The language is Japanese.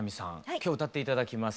今日歌って頂きます